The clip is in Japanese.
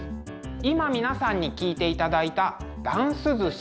今皆さんに聴いていただいた「ダンス寿司」。